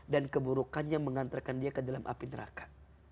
dan keburukannya mengantarkan dia ke dalam api neraka